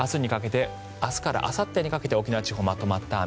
明日からあさってにかけて沖縄地方、まとまった雨。